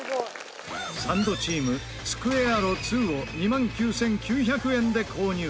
サンドチームツクエアロ２を２万９９００円で購入。